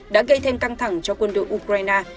đã gây thêm căng thẳng cho quân đội ukraine